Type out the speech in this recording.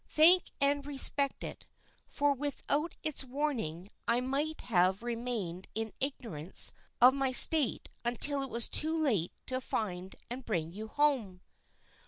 Thank and respect it, for without its warning I might have remained in ignorance of my state until it was too late to find and bring you home."